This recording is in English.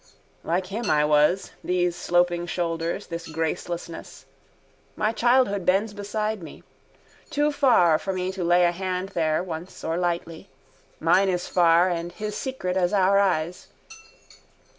Like him was I, these sloping shoulders, this gracelessness. My childhood bends beside me. Too far for me to lay a hand there once or lightly. Mine is far and his secret as our eyes.